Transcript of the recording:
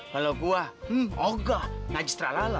kalo gue hmm ogah nagis terlala